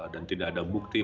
dan tidak ada bukti